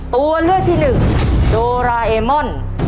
ตัวเลือกที่หนึ่งโดราเอมอน